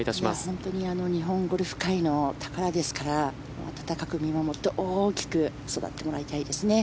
本当に日本ゴルフ界の宝ですから温かく見守って大きく育ってもらいたいですね。